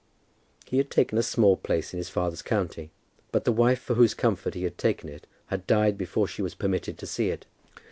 He had taken a small place in his father's county, but the wife for whose comfort he had taken it had died before she was permitted to see it.